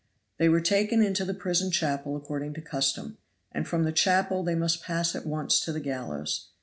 They were taken into the prison chapel according to custom, and from the chapel they must pass at once to the gallows.